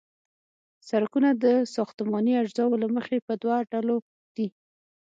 سرکونه د ساختماني اجزاوو له مخې په دوه ډلو دي